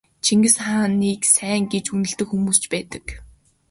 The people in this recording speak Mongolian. Чингис хааныг сайн гэж үнэлдэг хүмүүс ч байдаг.